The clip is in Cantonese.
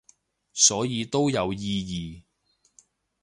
所以都有意義